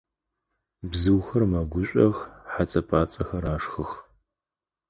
Бзыухэр мэгушӏох, хьэцӏэ-пӏацӏэхэр ашхых.